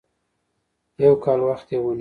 يو کال وخت یې ونیو.